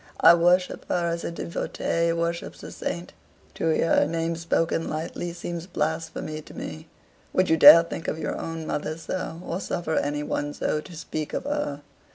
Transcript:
I worship her as a devotee worships a saint. To hear her name spoken lightly seems blasphemy to me. Would you dare think of your own mother so, or suffer any one so to speak of her?